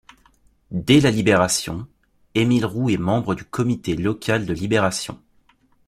Dès la Libération, Émile Roux est membre du comité local de libération.